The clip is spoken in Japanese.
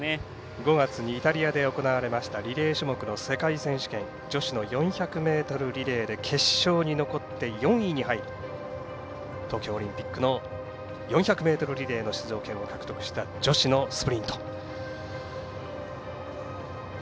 ５月にイタリアで行われましたリレー種目の世界選手権女子の４００ｍリレーで決勝に残って４位に入り東京オリンピックの４００ｍリレーの出場権を獲得した女子のスプリント。